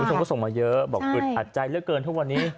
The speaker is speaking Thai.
คุณผู้ชมก็ส่งมาเยอะบอกอึดอัดใจเหลือเกินทุกวันนี้